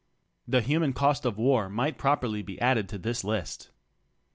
The human cost of war might properly be added to this list.